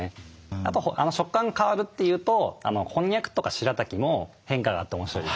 あと食感が変わるっていうとこんにゃくとかしらたきも変化があって面白いですね。